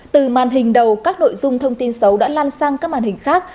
từ màn hình đầu các nội dung thông tin xấu đã lan sang các màn hình khác